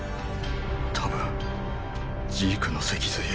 多分ジークの脊髄液だ。